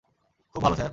খুব ভাল, স্যার।